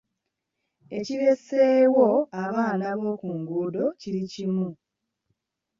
Ekireeseewo abaana b’oku nguudo kiri kimu.